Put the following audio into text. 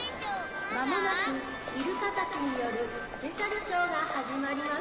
間もなくイルカたちによるスペシャルショーが始まります。